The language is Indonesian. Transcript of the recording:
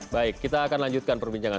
baik kita akan lanjutkan perbincangan